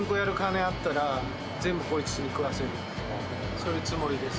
そういうつもりです。